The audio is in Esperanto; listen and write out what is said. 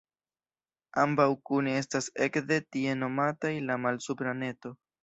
Ambaŭ kune estas ekde tie nomataj la Malsupra Neto.